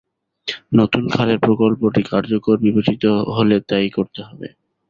নতুন খালের প্রকল্পটি কার্যকর বিবেচিত হলে তাই করতে হবে।